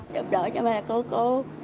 giúp đỡ cho mẹ cô